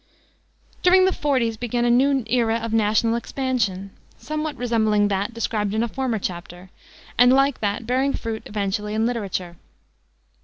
During the forties began a new era of national expansion, somewhat resembling that described in a former chapter, and, like that, bearing fruit eventually in literature.